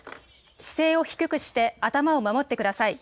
姿勢を低くして頭を守ってください。